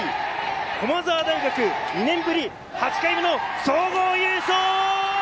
駒澤大学、２年ぶり８回目の総合優勝！